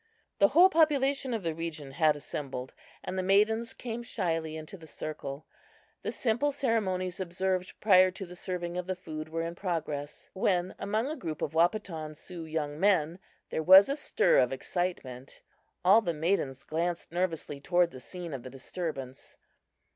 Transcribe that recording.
The whole population of the region had assembled, and the maidens came shyly into the circle. The simple ceremonies observed prior to the serving of the food were in progress, when among a group of Wahpeton Sioux young men there was a stir of excitement. All the maidens glanced nervously toward the scene of the disturbance.